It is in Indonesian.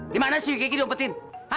dimana si kiki diumpetin